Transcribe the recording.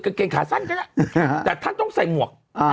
เกงขาสั้นก็ได้แต่ท่านต้องใส่หมวก